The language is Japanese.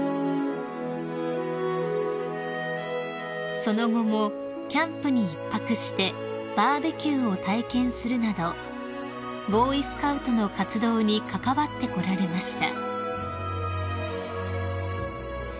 ［その後もキャンプに１泊してバーベキューを体験するなどボーイスカウトの活動に関わってこられました］